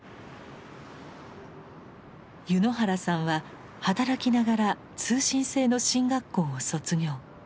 柚之原さんは働きながら通信制の神学校を卒業。